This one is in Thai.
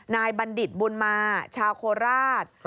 บัณฑิตบุญมาชาวโคราช